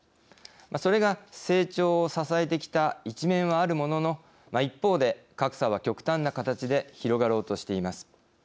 それが成長を支えてきた一面はあるものの一方で、格差は極端な形で広がろうとしています。